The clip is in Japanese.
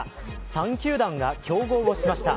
３球団が競合しました。